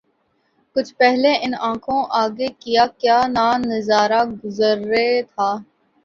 کچھ پہلے ان آنکھوں آگے کیا کیا نہ نظارا گزرے تھا